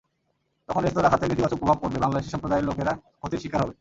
তখন রেস্তোরাঁ খাতে নেতিবাচক প্রভাব পড়বে, বাংলাদেশি সম্প্রদায়ের লোকেরা ক্ষতির শিকার হবে।